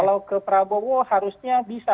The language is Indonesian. kalau ke prabowo harusnya bisa